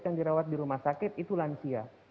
yang dirawat di rumah sakit itu lansia